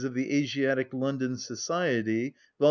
of the Asiatic London Society," vol.